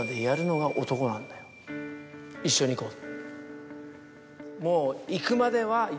「一緒に行こう」。